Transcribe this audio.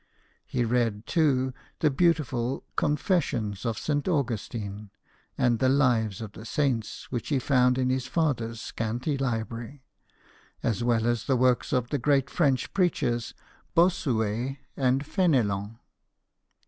He read, too, the beautiful " Confessions " of St. Augustine, and the " Lives of the Saints," which he found in his father's scanty library, as well as the works of the great French preachers, Bossuet and Fenelon.